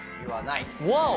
ワオ！